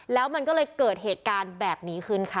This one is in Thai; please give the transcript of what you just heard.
แล้วมันก็เลยเกิดเหตุการณ์แบบนี้ขึ้นค่ะ